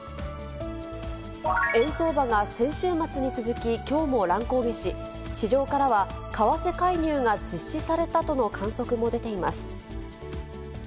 円相場が先週末に続き、きょうも乱高下し、市場からは、為替介入が実施されたとの観測も出ています。